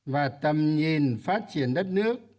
và tầm nhìn phát triển đất nước